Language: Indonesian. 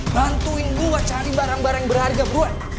bantuin gue cari barang barang yang berharga bro